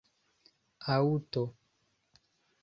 Aŭto.